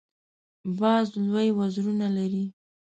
باز لوی وزرونه لري